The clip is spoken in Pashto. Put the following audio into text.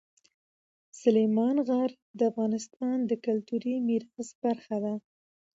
سلیمان غر د افغانستان د کلتوري میراث برخه ده.